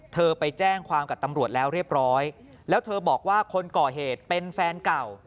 เธอไปแจ้งความกับตำรวจแล้วเรียบร้อยแล้วเธอบอกว่าคนก่อเหตุเป็นแฟนเก่า